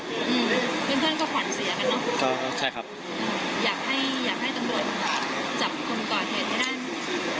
อืมเพื่อนเพื่อนก็ขวัญเสียกันเนอะก็ใช่ครับอยากให้อยากให้ตรงบน